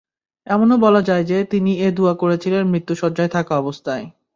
এমনও বলা যায় যে, তিনি এ দুআ করেছিলেন মৃত্যুশয্যায় থাকা অবস্থায়।